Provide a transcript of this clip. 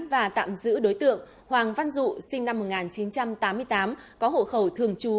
và tạm giữ đối tượng hoàng văn dụ sinh năm một nghìn chín trăm tám mươi tám có hộ khẩu thường trú